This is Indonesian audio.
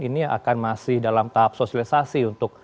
ini akan masih dalam tahap sosialisasi untuk